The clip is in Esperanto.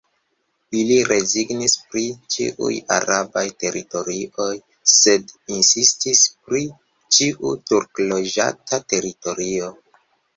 Ili rezignis pri ĉiuj arabaj teritorioj, sed insistis pri ĉiu turk-loĝata teritorio.